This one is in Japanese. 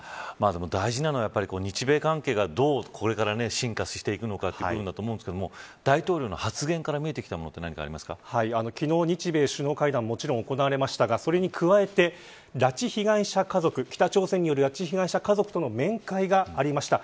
大事なのは日米関係がどうこれから進化していくのかというところだと思いますが大統領の発言から見えてきたものは何か昨日、日米首脳会談もちろん行われましたがそれに加えて、北朝鮮による拉致被害者家族との面会がありました。